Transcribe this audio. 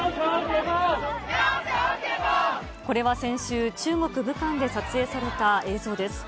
これは先週、中国・武漢で撮影された映像です。